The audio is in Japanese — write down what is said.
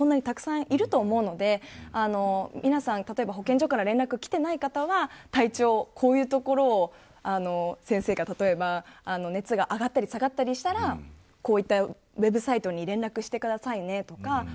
たくさんいると思うので皆さん、保健所から連絡がきていない方は、体調こういうところを、先生が例えば熱が上がったり下がったりしたらこういったＷＥＢサイトに連絡してくださいねとか。